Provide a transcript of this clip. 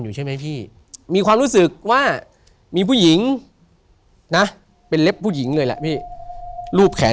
อยู่ใช่ไหมพี่มีความรู้สึกว่ามีผู้หญิงนะเป็นเล็บผู้หญิงเลยแหละพี่รูปแขน